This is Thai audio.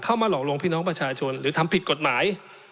มาหลอกลวงพี่น้องประชาชนหรือทำผิดกฎหมาย